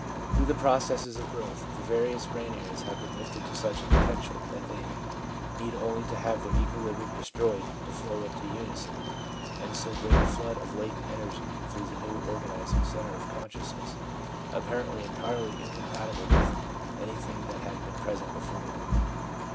Through the processes of growth, the various brain areas have been lifted to such a potential that they need only to have their equilibrium destroyed to flow into unison, and so bring a flood of latent energy through the new organising centre of consciousness, apparently entirely incompatible with anything that had been present before.